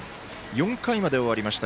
４回まで終わりました